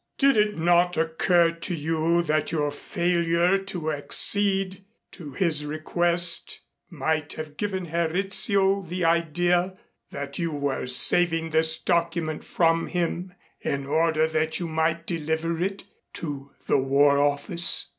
"Did it not occur to you that your failure to accede to his request might have given Herr Rizzio the idea that you were saving this document from him in order that you might deliver it to the War Office?"